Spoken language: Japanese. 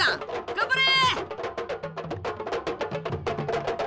頑張れ！